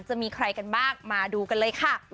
จะมีใครกันบ้างมาดูกันเลยค่ะ